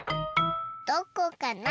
どこかな？